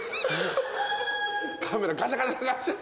カメラガシャガシャガシャ。